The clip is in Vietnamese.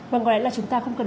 và có lẽ là chúng ta không cần